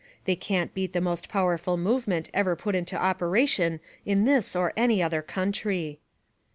They can't beat the most powerful movement ever put into operation in this or any other country.